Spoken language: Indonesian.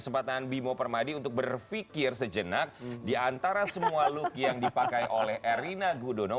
kesempatan bimo permadi untuk berpikir sejenak diantara semua look yang dipakai oleh erina gudono